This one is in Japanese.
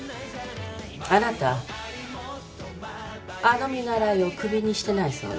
あなたあの見習いをクビにしてないそうね。